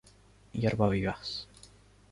Hierba vivaz.